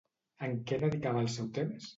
En què dedicava el seu temps?